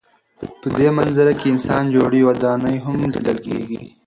په دې منظره کې انسان جوړې ودانۍ هم لیدل کېږي.